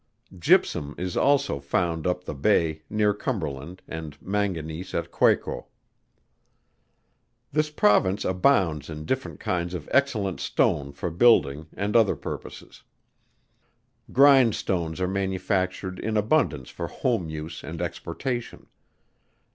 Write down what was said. Gypsum is also found up the Bay, near Cumberland, and Manganese at Quaco. This Province abounds in different kinds of excellent Stone for building, and other purposes. Grindstones are manufactured in abundance for home use and exportation.